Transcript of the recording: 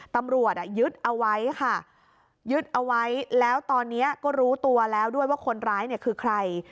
ตำรวจยึดเอาไว้ค่ะยึดเอาไว้แล้วตอนนี้ก็รู้ตัวแล้วด้วยว่าคนร้ายเนี่ยคือใคร